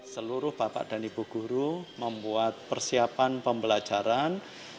seluruh bapak dan ibu guru membuat persiapan pembelajaran